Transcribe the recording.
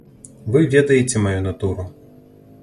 Вы ведаеце маю натуру.